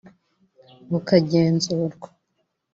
bukagenzurwa